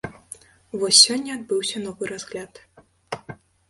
Вось сёння адбыўся новы разгляд.